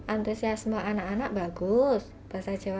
antusiasme anak anak bagus bahasa jawa